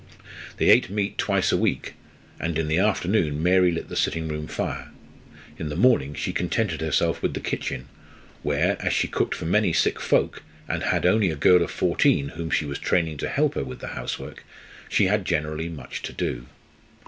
They eat meat twice a week, and in the afternoon Mary lit the sitting room fire. In the morning she contented herself with the kitchen, where, as she cooked for many sick folk, and had only a girl of fourteen whom she was training to help her with the housework, she had generally much to do.